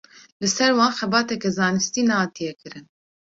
Li ser wan xebateke zanistî nehatiye kirin.